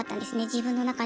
自分の中で。